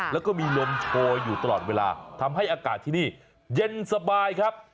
แล้วก็มีลมโชยอยู่ตลอดเวลาทำให้อากาศที่นี่เย็นสบายครับ